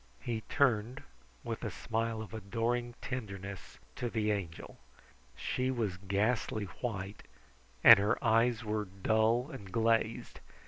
He turned with a smile of adoring tenderness to the Angel. She was ghastly white, and her eyes were dull and glazed.